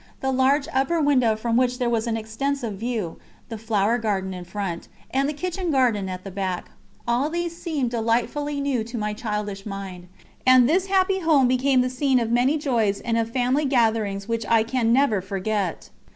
The large upper window from which there was an extensive view, the flower garden in front, and the kitchen garden at the back all these seemed delightfully new to my childish mind; and this happy home became the scene of many joys and of family gatherings which I can never forget.